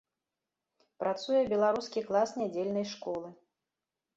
Працуе беларускі клас нядзельнай школы.